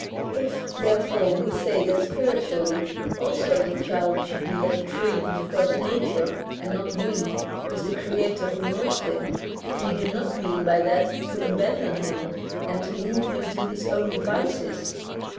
If, therefore, w^e say that spiritually also the child should be left free because nature — and not we — is the creator who molds him, we do not mean by that to abandon him and leave him to his own devices.